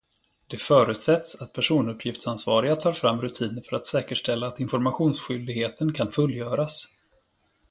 Det förutsätts att personuppgiftsansvariga tar fram rutiner för att säkerställa att informationsskyldigheten kan fullgöras.